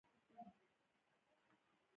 طلا د افغانستان د فرهنګي فستیوالونو برخه ده.